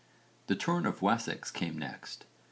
The turn of Wessex came next.